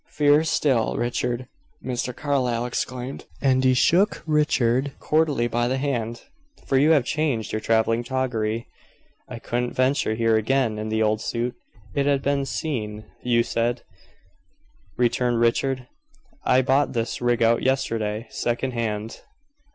"Fears still, Richard," Mr. Carlyle exclaimed, as he shook Richard cordially by the hand. "So you have changed your travelling toggery." "I couldn't venture here again in the old suit; it had been seen, you said," returned Richard. "I bought this rig out yesterday, second hand.